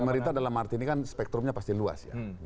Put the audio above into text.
pemerintah dalam arti ini kan spektrumnya pasti luas ya